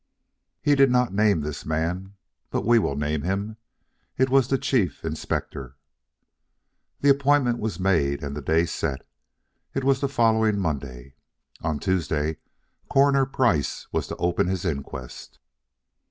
He did not name this man; but we will name him. It was the Chief Inspector. The appointment was made and the day set. It was the following Monday. On Tuesday, Coroner Price was to open his inquest.